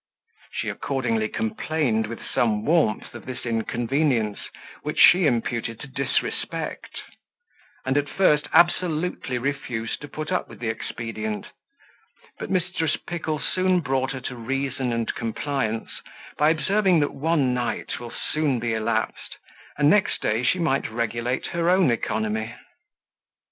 She accordingly complained with some warmth of this inconvenience, which she imputed to disrespect; and, at first, absolutely refused to put up with the expedient; but Mrs. Pickle soon brought her to reason and compliance, by observing that one night will soon be elapsed, and next day she might regulate her own economy.